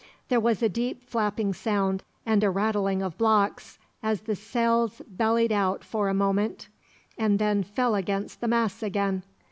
There was a deep flapping sound, and a rattling of blocks, as the sails bellied out for a moment, and then fell against the masts again.